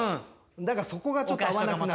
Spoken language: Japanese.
だからそこがちょっと合わなくなる。